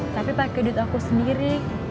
tapi pakai duit aku sendiri